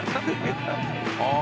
ああ！